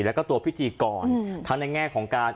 แล้วก็ตัวพิธีกรทั้งในแง่ของการ